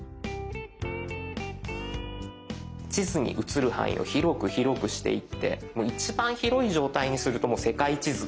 地図に映る範囲を広く広くしていってもう一番広い状態にするともう世界地図。